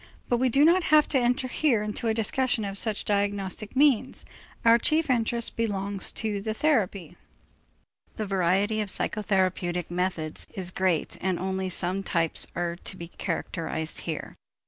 But we do not have to enter here into a discussion of such diagnostic means; our chief interest belongs to the therapy. The variety of the psychotherapeutic methods is great and only some types are to be characterized here.